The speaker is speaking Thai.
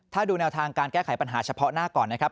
ถ้าดูแนวทางการแก้ไขปัญหาเฉพาะหน้าก่อนนะครับ